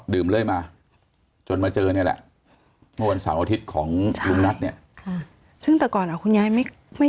ดังแบบนี้ค่ะ